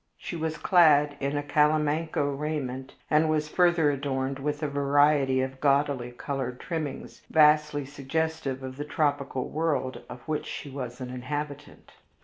She was clad in a calamanco raiment, and was further adorned with a variety of gaudily colored trimmings, vastly suggestive of the tropical world of which she was an inhabitant.